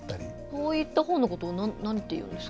そういった本のことを何ていうんですか？